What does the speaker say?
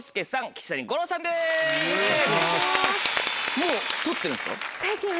もう撮ってるんですか？